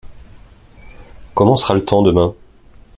Comment sera le temps demain ?